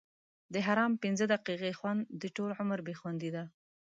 د حرام پنځه دقیقې خوند؛ د ټولو عمر بې خوندي ده.